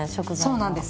そうなんです。